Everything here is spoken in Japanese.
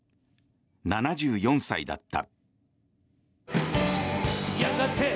７４歳だった。